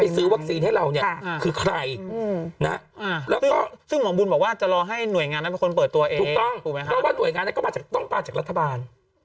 เพราะว่าหน่วยงานก็ต้องมาจากรัฐบาล